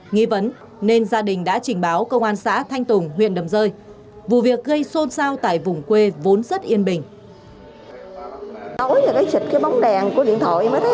nghi vấn nên gia đình đã trình báo công an xã thanh tùng huyện đầm rơi vụ việc gây xôn xao tại vùng quê vốn rất yên bình